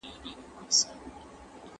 هومر د لرغوني یونان ستر شاعر و.